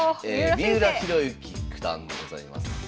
三浦弘行九段でございます。